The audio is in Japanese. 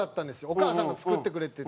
お母さんが作ってくれてて。